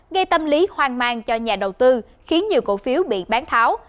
gây tâm lý hoang mang cho nhà đầu tư khiến nhiều cổ phiếu bị bán tháo